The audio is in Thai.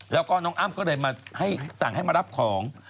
แล้วก็น้องอ้ำก็เลยมาให้สั่งให้มารับของ